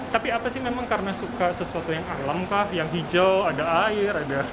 tapi apa sih memang karena suka sesuatu yang alam kah yang hijau ada air